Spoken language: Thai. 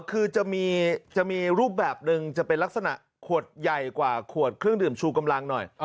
คือจะมีรูปแบบหนึ่งจะเป็นลักษณะขวดใหญ่กว่าขวดเครื่องดื่มชูกำลังหน่อย